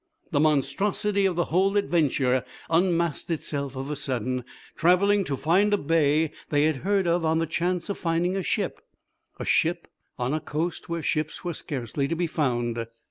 The monstrosity of the whole adventure unmasked itself of a sudden; travelling to find a bay they had heard of on the chance of finding a ship a ship on a coast where ships were scarcely to be found.